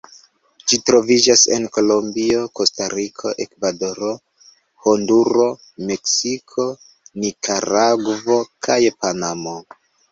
Ĝi troviĝas en Kolombio, Kostariko, Ekvadoro, Honduro, Meksiko, Nikaragvo kaj Panamo.